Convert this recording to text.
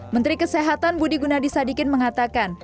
menteri kesehatan budi gunadisadikin mengatakan